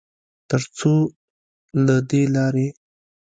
ترڅوله دې لارې